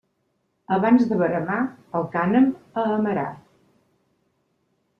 Abans de veremar, el cànem a amarar.